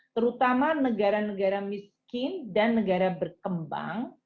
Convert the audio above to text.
terutama negara negara miskin dan negara berkembang